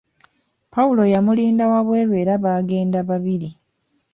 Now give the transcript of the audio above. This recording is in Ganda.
Pawulo yamulinda wabweru era baagenda babiri.